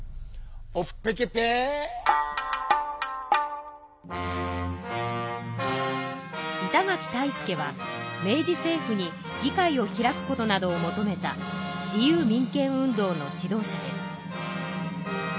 「オッペケペー」板垣退助は明治政府に議会を開くことなどを求めた自由民権運動の指導者です。